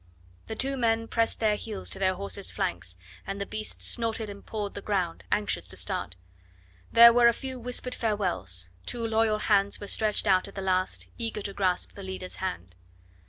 The two men pressed their heels to their horses' flanks, the beasts snorted and pawed the ground anxious to start. There were a few whispered farewells, two loyal hands were stretched out at the last, eager to grasp the leader's hand.